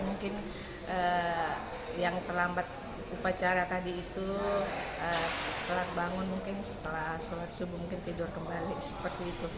mungkin yang terlambat upacara tadi itu telat bangun mungkin setelah sholat subuh tidur kembali